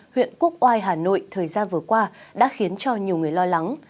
huyện quốc oai hà nội thời gian vừa qua đã khiến cho nhiều người lo lắng